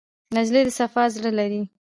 نجلۍ د صفا زړه لري.